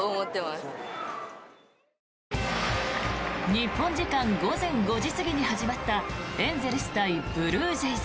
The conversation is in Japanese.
日本時間午前５時過ぎに始まったエンゼルス対ブルージェイズ。